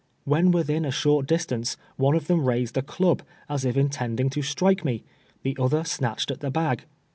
When within a short distance, one of them raised a chib, as if intending to strike me ; the other snatched at the hag.